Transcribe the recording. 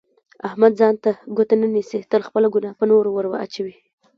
احمد ځان ته ګوته نه نیسي، تل خپله ګناه په نورو ور اچوي.